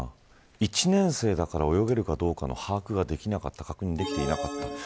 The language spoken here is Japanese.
１年生だから泳げるかどうかの把握ができなかった確認ができていなかった。